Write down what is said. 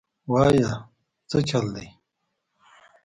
وايه سه چل دې.